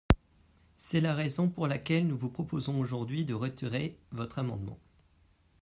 C’est la raison pour laquelle nous vous proposons aujourd’hui de retirer votre amendement.